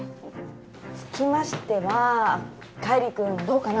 つきましては浬君どうかな？